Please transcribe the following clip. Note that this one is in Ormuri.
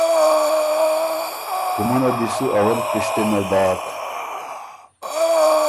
کُومُنه دی سو اول پِشتِنه داک۔